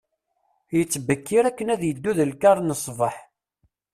Yettbekkir akken ad iddu deg lkar n sbeḥ.